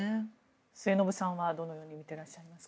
末延さんはどのように見ていらっしゃいますか？